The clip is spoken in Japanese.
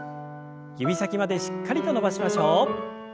指先までしっかりと伸ばしましょう。